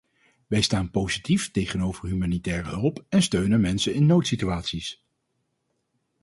Wij staan positief tegenover humanitaire hulp en steun aan mensen in noodsituaties.